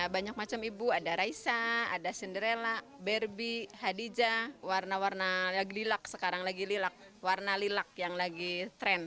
banyak macam ibu ada raisa cinderella barbie hadija warna warna lilac yang sedang tren